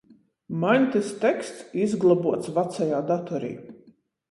Maņ tys teksts izglobuots vacajā datorī.